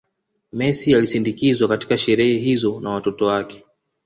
Messi alisindikizwa katika sherehe hizo na watoto wake